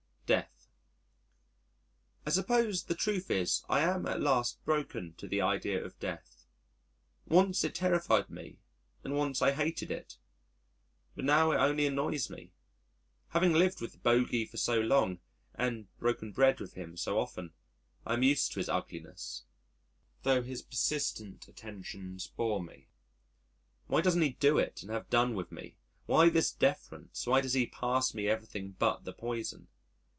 May 25. Death ... I suppose the truth is I am at last broken to the idea of Death. Once it terrified me and once I hated it. But now it only annoys me. Having lived with the Bogey for so long, and broken bread with him so often, I am used to his ugliness, tho' his persistent attentions bore me. Why doesn't he do it and have done with me? Why this deference, why does he pass me everything but the poison?